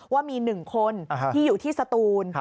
ว่ามี๑คนที่อยู่ที่สตูน